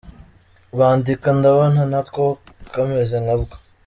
Bandika: Ndabona na ko kameze nka bwo.